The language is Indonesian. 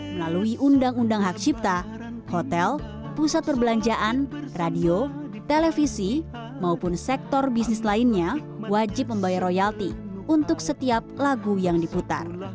melalui undang undang hak cipta hotel pusat perbelanjaan radio televisi maupun sektor bisnis lainnya wajib membayar royalti untuk setiap lagu yang diputar